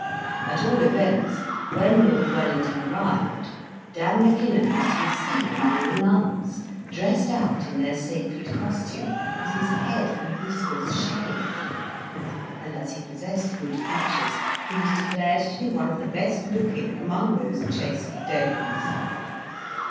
At all events, when Lord Wellington arrived, Dan Mackinnon was to be seen among the nuns, dressed out in their sacred costume, with his head and whiskers shaved, and as he possessed good features, he was declared to be one of the best looking amongst those chaste dames.